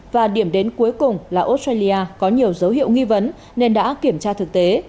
và điểm đến cuối cùng là australia có nhiều dấu hiệu nghi vấn nên đã kiểm tra thực tế